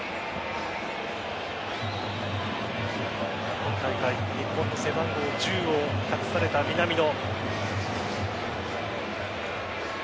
今大会日本の背番号１０を託された南野。